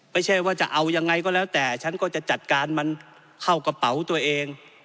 ไม่ใช่ว่าจะเอายังไงก็แล้วแต่ฉันก็จะจัดการมันเข้ากระเป๋าตัวเอง